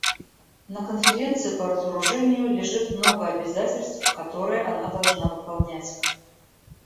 На Конференции по разоружению лежит много обязательств, которые она должна выполнять.